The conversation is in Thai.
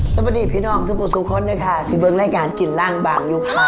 สวัสดีพี่น้องซู่ปูซู่คนในกินเวิงแรกการกินล่างบางอยู่ค่ะ